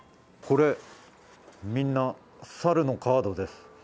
これみんな猿のカードです。